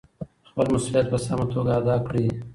خپل مسؤلیت په سمه توګه ادا کړئ.